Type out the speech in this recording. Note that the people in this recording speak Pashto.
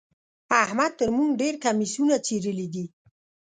احمد تر موږ ډېر کميسونه څيرلي دي.